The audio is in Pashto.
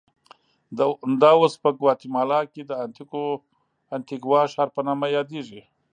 دا اوس په ګواتیمالا کې د انتیګوا ښار په نامه یادېږي.